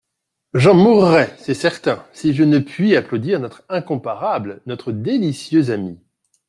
J'en mourrai, c'est certain, si je ne puis applaudir notre incomparable, notre délicieuse amie.